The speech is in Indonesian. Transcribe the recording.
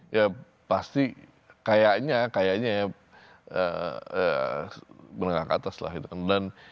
ya pasti kayaknya kayaknya ya menengah ke atas lah gitu endorse